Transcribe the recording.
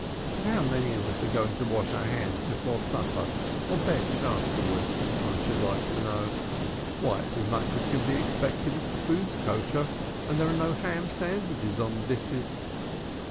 And how many of us are going to wash our hands before supper or bensh afterwards, I should like to know. Why, it's as much as can be expected if the food's kosher, and there's no ham sandwiches on the dishes.